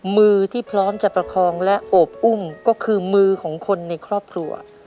มือที่พร้อมจะประคองและโอบอุ้มก็คือมือของคนในครอบครัว